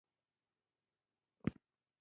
کابل د افغانستان د ملي هویت یوه خورا لویه نښه ده.